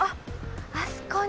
あそこに。